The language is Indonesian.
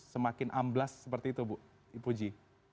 semakin amblas seperti itu bu ibu ji